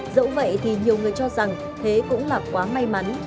dẫu vậy thì nhiều người cho rằng thế cũng là quá may mắn